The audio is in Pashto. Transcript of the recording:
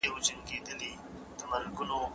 شخصي ملکيت د بشر فطري غريزه ده.